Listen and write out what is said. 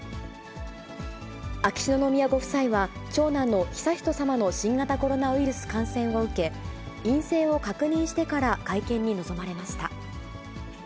秋篠宮ご夫妻は、長男の悠仁さまの新型コロナウイルス感染を受け、陰性を確認してから会見に臨まれました。